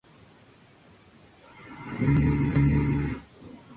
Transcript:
Fue gobernador delegado por muchos meses.